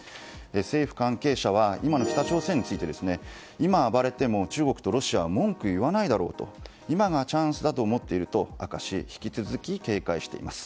政府関係者は今の北朝鮮について今、暴れても中国とロシアは文句を言わないだろうと今がチャンスだと思っていると明かし引き続き、警戒しています。